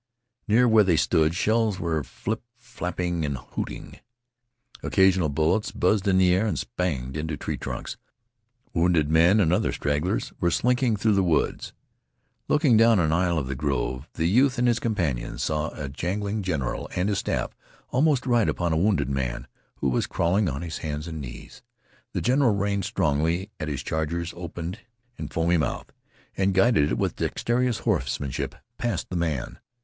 Near where they stood shells were flip flapping and hooting. Occasional bullets buzzed in the air and spanged into tree trunks. Wounded men and other stragglers were slinking through the woods. Looking down an aisle of the grove, the youth and his companion saw a jangling general and his staff almost ride upon a wounded man, who was crawling on his hands and knees. The general reined strongly at his charger's opened and foamy mouth and guided it with dexterous horsemanship past the man.